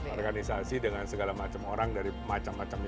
organisasi dengan segala macam orang dari macam macam